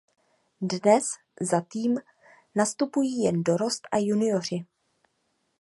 Dnes za tým nastupují jen Dorost a Junioři.